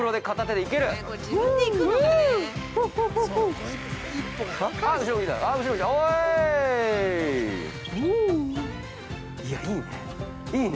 いや、いいね。